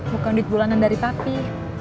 bukan duit bulanan dari pati